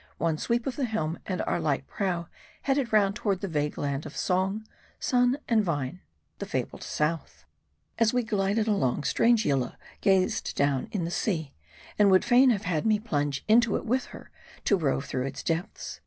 One sweep of the helm, and our light prow headed round toward the vague land of song, sun, and vine : the fabled South, As we glided along, strange Yillah gazed down in the sea, and would fain have had me plunge into it with her, to rove through its depths.